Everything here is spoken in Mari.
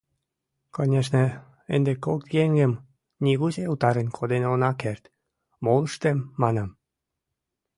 Конешне, ынде кок еҥым нигузе утарен коден она керт, молыштым, манам.